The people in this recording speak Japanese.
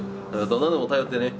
どんなんでも頼ってね。